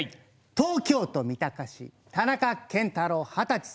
東京都三鷹市田中健大郎さん、二十歳。